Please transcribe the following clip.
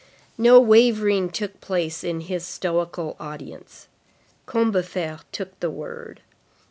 No wavering took place in his stoical audience. Combeferre took the word.